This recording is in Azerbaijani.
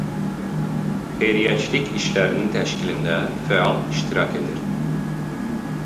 Xeyriyyəçilik işlərinin təşkilində fəal iştirak edir.